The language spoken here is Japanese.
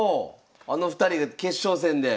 あの２人で決勝戦で。